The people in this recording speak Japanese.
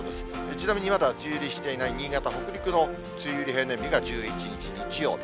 ちなみにまだ梅雨入りしていない、新潟、北陸の梅雨入り平年日が１１日日曜日。